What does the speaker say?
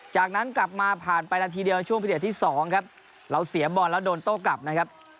จากนั้นกลับมาผ่านไปนาทีเดียวช่วงพิเดชที่๒ครับเราเสียบอลแล้วโดนโต้กลับนะครับ